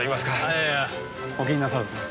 いやいやお気になさらず。